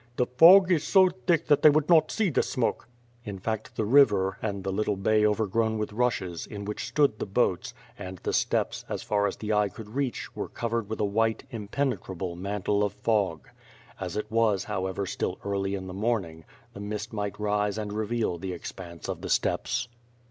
"The fog is so thick that they would not see tlie smoke." In fact, the river, and the little bay overgrown with rushes, in which stood the boats; and the steppes, as far as the eye could reach, were covered with a white, impenetrable mantle of fog. As it was, however, still early in the morning, the mist might rise and reveal the expanse of the steppes.